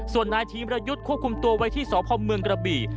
ส่วนนายทีมรยุทธ์ควบคุมตัวไว้ที่สพเมืองกระบี่